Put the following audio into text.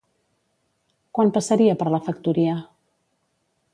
Quan passaria per la factoria?